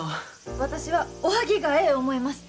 私はおはぎがええ思います！